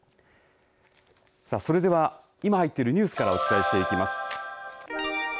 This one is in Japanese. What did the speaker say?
それでは今入っているニュースからお伝えします。